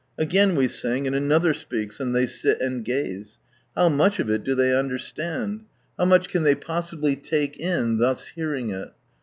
Again we sing, and another speaks, and they sic and gaze. How much of it do they understand ? How much can they possibly Cake in thus hearing it